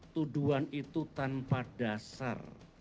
tuduan itu tanpa dasar